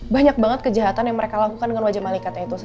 banyak banget kejahatan yang mereka lakukan dengan wajah malikatnya itu